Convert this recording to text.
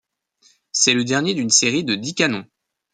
C'est le dernier d'une série de dix canons.